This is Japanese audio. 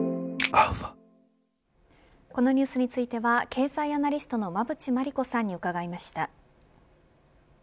このニュースについては経済アナリストの馬渕磨理子さんに伺いました。